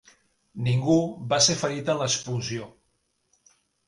Ningú va ser ferit en l'explosió.